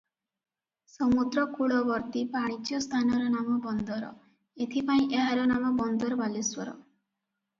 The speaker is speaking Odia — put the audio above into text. ସମୁଦ୍ର କୂଳବର୍ତ୍ତୀ ବାଣିଜ୍ୟ ସ୍ଥାନର ନାମ ବନ୍ଦର, ଏଥିପାଇଁ ଏହାର ନାମ ବନ୍ଦର ବାଲେଶ୍ୱର ।